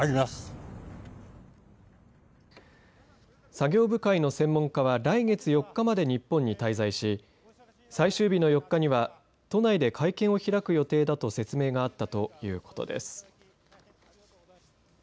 作業部会の専門家は来月４日まで日本に滞在し最終日の４日には都内で会見を開く予定だと説明があったということです。